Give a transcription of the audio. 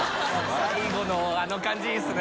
最後のあの感じいいですね。